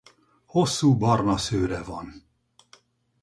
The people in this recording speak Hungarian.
Hosszú barna szőre van.